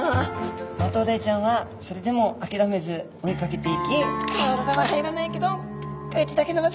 マトウダイちゃんはそれでも諦めず追いかけていき「体は入らないけど口だけ伸ばす」